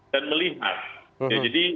dan melihat jadi